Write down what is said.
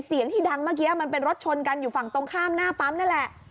เสียงที่ดังเมื่อกี้มันเป็นรถชนกันอยู่ฝั่งตรงข้ามหน้าปั๊มนั่นแหละ